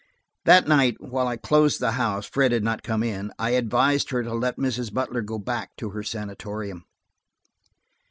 That night, while I closed the house–Fred had not come in–I advised her to let Mrs. Butler go back to her sanatorium.